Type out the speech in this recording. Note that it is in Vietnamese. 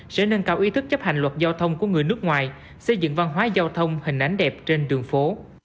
sẽ nâng cao ý thức chấp hành luật giao thông của người nước ngoài xây dựng văn hóa giao thông hình ảnh đẹp trên đường phố